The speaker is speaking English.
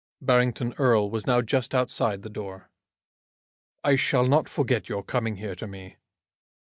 Barrington Erle was now just outside the door. "I shall not forget your coming here to me."